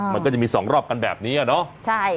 มันก็จะมีสองรอบกันแบบนี้อะเนาะ